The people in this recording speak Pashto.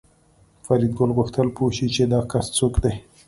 فریدګل غوښتل پوه شي چې دا کس څوک دی